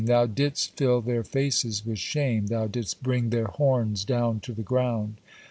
Thou didst fill their faces with shame, Thou didst bring their horns down to the ground.